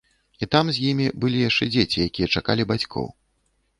І там з ім былі яшчэ дзеці, якія чакалі бацькоў.